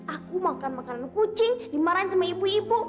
aku makan makanan kucing dimarahin sama ibu ibu